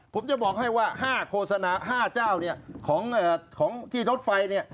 ผมจะบอกให้ว่า๕โฆษณา๕เจ้าเนี่ยของที่รถไฟเนี่ย